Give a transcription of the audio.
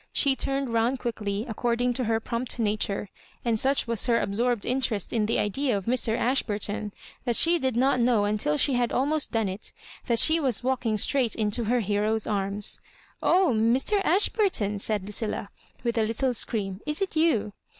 She turned round quickly, according to her prompt nature; and such was her absorbed interest in the idea of Mr. Ashburton, that she did not know until she had almost done it, thai she was walking straight into her hero's anps. '<0h. Mr. Ashburton I" said Lucilla, with a little scream, " is it you